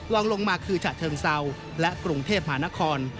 ลองลงมาคือฉะเชิงเซาและกรุงเทพมหานคร